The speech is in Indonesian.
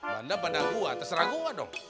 banda banda gua terserah gua dong